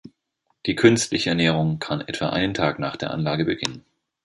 Die künstliche Ernährung kann etwa einen Tag nach der Anlage beginnen.